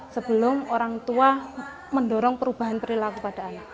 sebelum orang tua mendorong perubahan perilaku pada anak